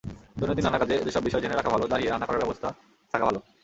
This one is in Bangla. দৈনন্দিন নানা কাজে যেসব বিষয় জেনে রাখা ভালো—দাঁড়িয়ে রান্না করার ব্যবস্থা থাকা ভালো।